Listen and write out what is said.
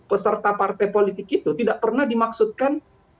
peserta partai politik itu tidak pernah dimaksudkan